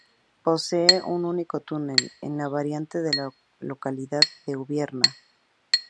Posee un único túnel, en la variante de la localidad de Ubierna.